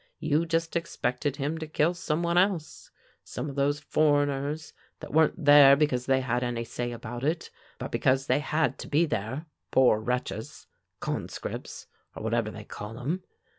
"You just expected him to kill some one else, some of those foreigners, that weren't there because they had any say about it, but because they had to be there, poor wretches conscripts, or whatever they call 'em.